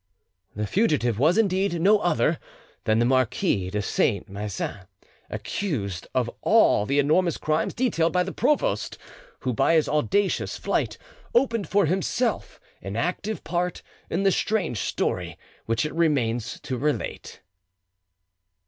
The fugitive was, indeed, no other than the Marquis de Saint Maixent, accused of all the enormous crimes detailed by the provost, who by his audacious flight opened for himself an active part in the strange story which it remains to relate.